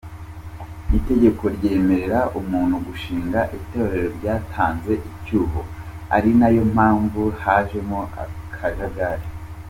Itegeko ryemerera umuntu gushinga itorero ryatanze icyuho ari nayo mpamvu hajemo akajagari.